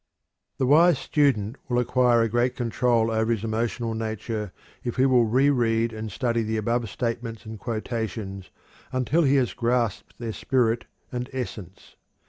The wise student will acquire a great control over his emotional nature if he will re read and study the above statements and quotations until he has grasped their spirit and essence.